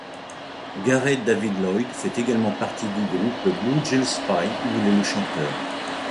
Gareth David-Lloyd fait également partie du groupe Blue Gillespie où il est le chanteur.